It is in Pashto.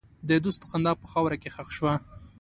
د دوست خندا په خاوره کې ښخ شوه.